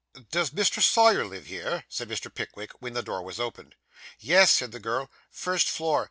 'Does Mr. Sawyer live here?' said Mr. Pickwick, when the door was opened. 'Yes,' said the girl, 'first floor.